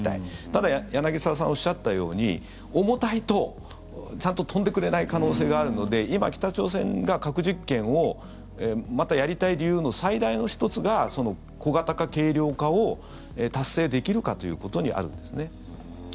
ただ、柳澤さんがおっしゃったように重たいとちゃんと飛んでくれない可能性があるので今、北朝鮮が核実験をまたやりたい理由の最大の１つが小型化・軽量化を達成できるかということにあるんですね。